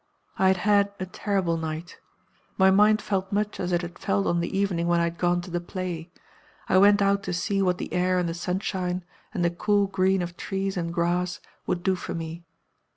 "I had had a terrible night. My mind felt much as it had felt on the evening when I had gone to the play. I went out to see what the air and the sunshine and the cool green of trees and grass would do for me.